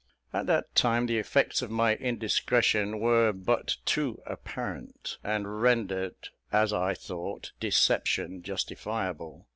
"At that time, the effects of my indiscretion were but too apparent, and rendered, as I thought, deception justifiable.